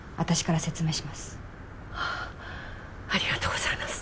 ありがとうございます！